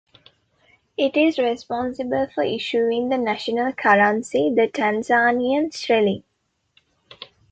It is responsible for issuing the national currency, the Tanzanian shilling.